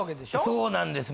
そうなんです。